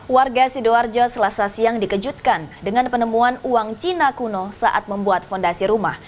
warga sidoarjo selasa siang dikejutkan dengan penemuan uang cina kuno saat membuat fondasi rumah